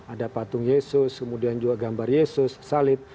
ada patung yesus kemudian juga gambar yesus salib